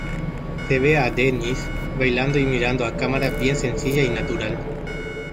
Se ve a D-Niss bailando, y mirando a cámara, bien sencilla y natural.